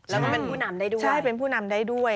แล้วก็เป็นผู้นำได้ด้วยใช่เป็นผู้นำได้ด้วย